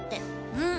うん。